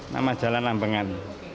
nama jalan ambengan